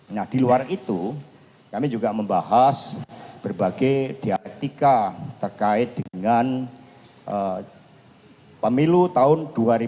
nah di luar itu kami juga membahas berbagai diatika terkait dengan pemilu tahun dua ribu dua puluh